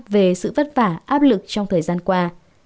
về sự vất vả áp lực trong thời gian qua